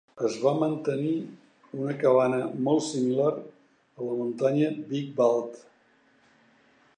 Es va mantenir una cabana molt similar a la muntanya Big Bald.